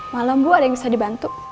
malam bu ada yang bisa dibantu